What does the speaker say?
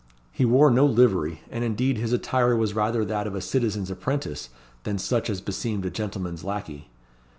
He wore no livery, and indeed his attire was rather that of a citizen's apprentice than such as beseemed a gentleman's lacquey.